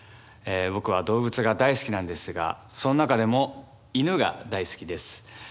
僕は動物が大好きなんですがその中でも犬が大好きです。